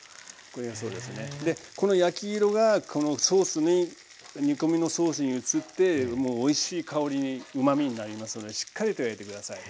この焼き色がこのソースに煮込みのソースに移ってもうおいしい香りにうまみになりますのでしっかりと焼いて下さい。